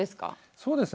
そうですね